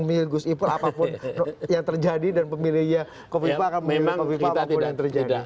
memilih gus ipul apapun yang terjadi dan pemilihnya kopi pa akan memilih kopi pa apapun yang terjadi